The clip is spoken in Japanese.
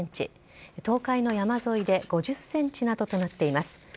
東海の山沿いで５０ｃｍなどとなっています。